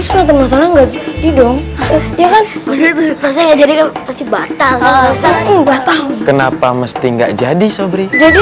sunatan masalah enggak jadi dong ya kan pasti batal kenapa mesti enggak jadi sobrinya jadi